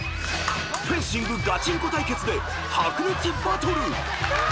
［フェンシングガチンコ対決で白熱バトル！］